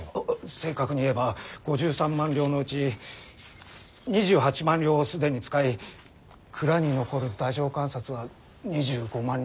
正確に言えば５３万両のうち２８万両を既に使い蔵に残る太政官札は２５万両だ。